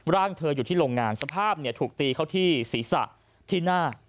ร่างเธออยู่ที่โรงงานสภาพถูกตีเขาที่ศีรษะที่หน้า